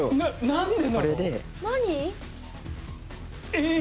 何で？